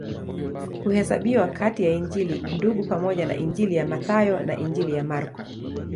Huhesabiwa kati ya Injili Ndugu pamoja na Injili ya Mathayo na Injili ya Marko.